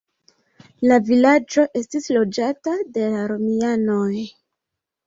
La vilaĝo estis loĝata de la romianoj.